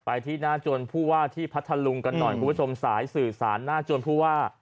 ที่หน้าจวนผู้ว่าที่พัทธลุงกันหน่อยคุณผู้ชมสายสื่อสารหน้าจวนผู้ว่า